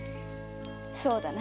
そうだな。